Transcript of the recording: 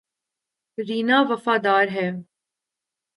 رینا وفادار ہے